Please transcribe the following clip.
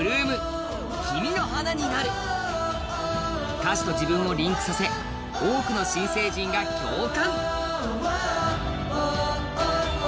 歌詞と自分をリンクさせ多くの新成人が共感。